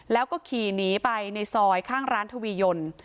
แล้วก็ขี่หนีไปในซอยข้างร้านทวียน